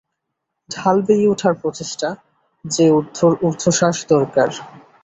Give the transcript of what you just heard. ঢাল বেয়ে ওঠার প্রচেষ্টা, যে ঊর্ধ্বশ্বাস দরকার।